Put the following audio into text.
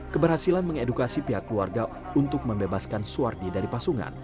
keberhasilan mengedukasi pihak keluarga untuk membebaskan suwardi dari pasungan